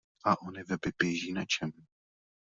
A ony weby běží na čem?